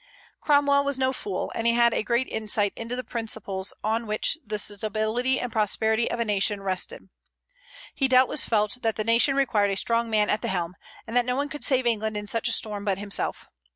Cromwell was no fool, and he had a great insight into the principles on which the stability and prosperity of a nation rested. He doubtless felt that the nation required a strong arm at the helm, and that no one could save England in such a storm but himself.